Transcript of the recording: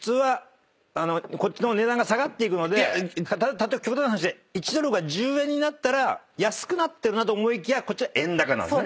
例えば極端な話１ドルが１０円になったら安くなってるなと思いきやこっちは円高なんですね。